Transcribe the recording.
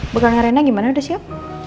begang arena gimana udah siap